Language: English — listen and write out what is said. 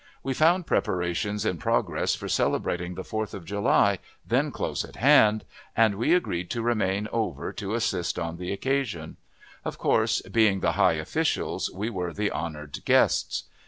We found preparations in progress for celebrating the Fourth of July, then close at hand, and we agreed to remain over to assist on the occasion; of course, being the high officials, we were the honored guests.